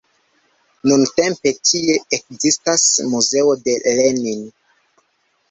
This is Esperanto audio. Nuntempe tie ekzistas muzeo de Lenin.